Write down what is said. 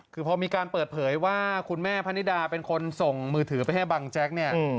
คือพอมีการเปิดเผยว่าคุณแม่พะนิดาเป็นคนส่งมือถือไปให้บังแจ๊กเนี่ย